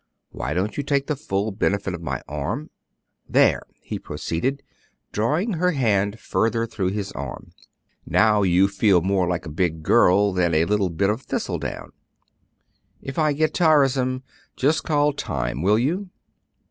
Why don't you take the full benefit of my arm? There," he proceeded, drawing her hand farther through his arm, "now you feel more like a big girl than like a bit of thistledown. If I get tiresome, just call 'time,' will you?"